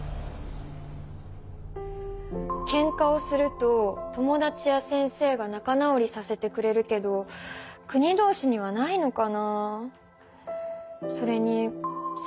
けんかをすると友だちや先生がなかなおりさせてくれるけど国同士にはないのかなあ。